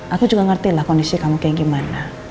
aku juga ngerti lah kondisi kamu kayak gimana